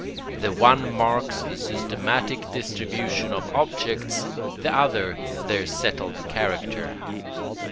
The one marks the systematic distribution of objects, the other their settled character.